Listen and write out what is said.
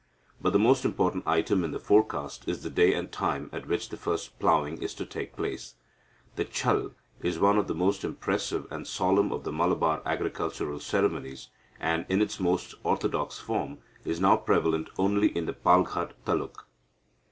But the most important item in the forecast is the day and time at which the first ploughing is to take place. The Chal is one of the most impressive and solemn of the Malabar agricultural ceremonies, and, in its most orthodox form, is now prevalent only in the Palghat taluk.